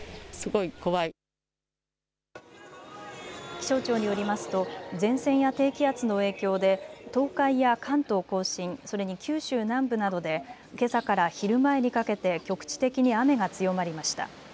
気象庁によりますと前線や低気圧の影響で東海や関東甲信、それに九州南部などでけさから昼前にかけて局地的に雨が強まりました。